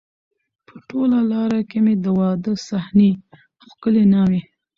په ټوله لار کې مې د واده صحنې، ښکلې ناوې،